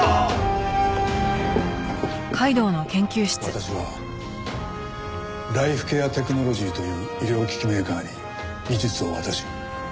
私はライフケアテクノロジーという医療機器メーカーに技術を渡し。